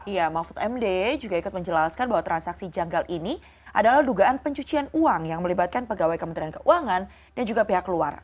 ya mahfud md juga ikut menjelaskan bahwa transaksi janggal ini adalah dugaan pencucian uang yang melibatkan pegawai kementerian keuangan dan juga pihak luar